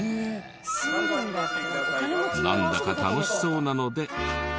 なんだか楽しそうなので。